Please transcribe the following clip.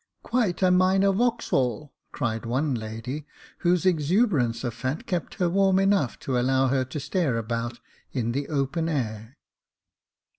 " Quite .a minor Wauxhall,^^ cried one lady, whose exuberance of fat kept her warm enough to allow her to stare about in the open air.